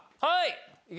はい！